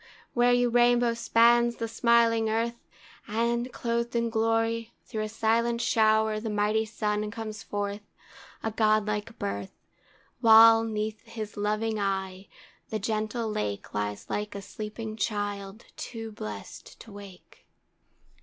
where you rainbow spans the smiling earth, And, clothed in glory, through a silent shower The mighty Sun comes forth, a godlike birth; While, 'neath his loving eye, the gentle Lake Lies like a sleeping child too blest to wake!